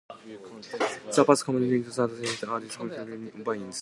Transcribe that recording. The pass connects the Dungeness and Dosewallips drainage basins.